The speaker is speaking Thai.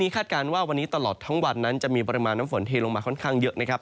คาดการณ์ว่าวันนี้ตลอดทั้งวันนั้นจะมีปริมาณน้ำฝนเทลงมาค่อนข้างเยอะนะครับ